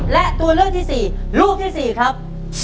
และตัวเลือกที่๔ลูกที่๔ครับ